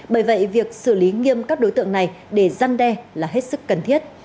bởi vậy việc xử lý nghiêm các đối tượng này để giăn đe là hết sức cần thiết